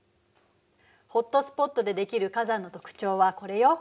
ホットスポットでできる火山の特徴はこれよ。